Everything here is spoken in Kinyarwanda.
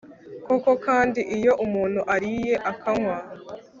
koko kandi, iyo umuntu ariye, akanywa